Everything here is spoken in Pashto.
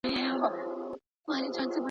زه به نورو ته د لاري غوره کولو اجازه ورنه کړم.